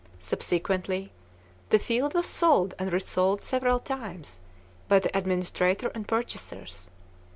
Subsequently the field was sold and resold several times by the administrator and purchasers.